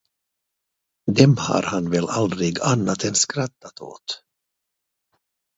Dem har han väl aldrig annat än skrattat åt.